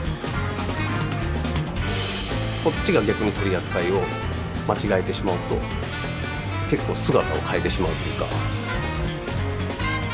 こっちが逆に取り扱いを間違えてしまうと結構姿を変えてしまうというか。